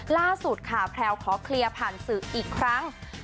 ล่าสุดค่ะแพลวขอเคลียร์ผ่านสื่ออีกครั้ง